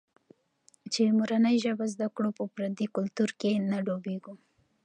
چي مورنۍ ژبه زده کړو، په پردي کلتور کې نه ډوبېږو.